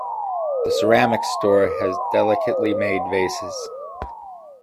The ceramics store had delicately made vases.